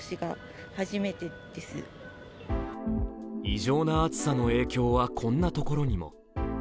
異常な暑さの影響はこんなところにも。